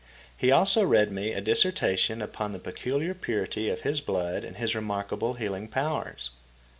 He also read me a dissertation upon the peculiar purity of his blood and his remarkable healing powers.